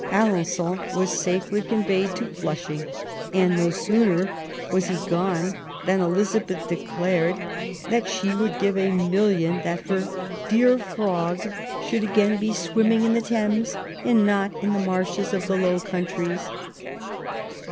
Alen9on was safely conveyed to Flushing; and no sooner 'was he gone than Elizabeth declared that she would give a million that her " dear Frog should again be swimming in the Thames, and not in the marshes of the Low Countries .